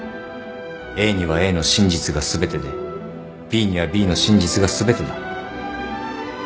ＡにはＡの真実が全てでＢにはＢの真実が全てだ。